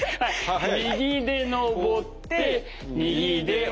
右で上って右で下りる。